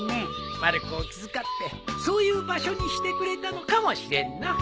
まる子を気遣ってそういう場所にしてくれたのかもしれんのう。